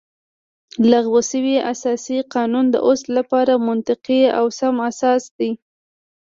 لغوه شوی اساسي قانون د اوس لپاره منطقي او سم اساس دی